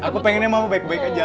aku pengennya mama baik baik aja